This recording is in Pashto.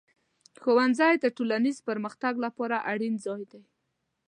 ښوونځی د ټولنیز پرمختګ لپاره اړین ځای دی.